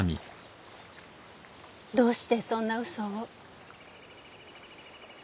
どうしてそんなうそを？